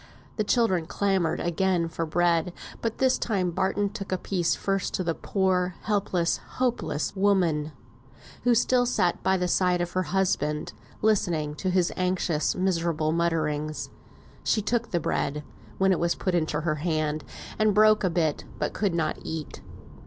The children clamoured again for bread; but this time Barton took a piece first to the poor, helpless, hopeless woman, who still sat by the side of her husband, listening to his anxious miserable mutterings. She took the bread, when it was put into her hand, and broke a bit, but could not eat.